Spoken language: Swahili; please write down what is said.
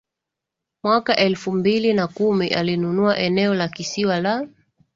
Mwaka wa elfu mbili na kumi alinunua eneo la kisiwa la